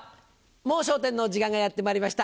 『もう笑点』の時間がやってまいりました。